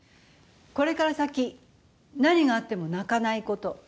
これから先何があっても泣かないこと。